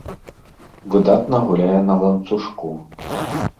Выдатна гуляе на ланцужку.